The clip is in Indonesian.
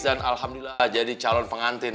alhamdulillah jadi calon pengantin